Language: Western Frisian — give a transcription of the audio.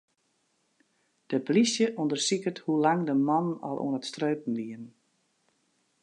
De plysje ûndersiket hoe lang de mannen al oan it streupen wiene.